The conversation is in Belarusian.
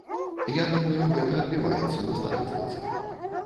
Я думаю, гэта адбіваецца на статыстыцы.